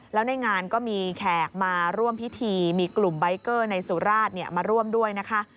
แล้วในงานก็มีแขกมาร่วมพิธีมีกลุ่มใบเกอร์ในสุราชมาร่วมด้วยนะคะ